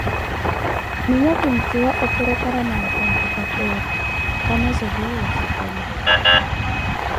Miyo kinjuwa oporokaramari computatoore, kanozeliwa oshikola.